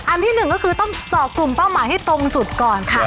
ที่หนึ่งก็คือต้องเจาะกลุ่มเป้าหมายให้ตรงจุดก่อนค่ะ